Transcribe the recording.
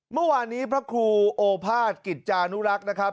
เมื่อวานนี้พระครูโอภาษย์กิจจานุรักษ์นะครับ